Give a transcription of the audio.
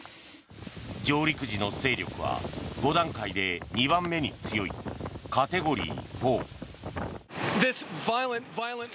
上陸時の勢力は５段階で２番目に強いカテゴリー４。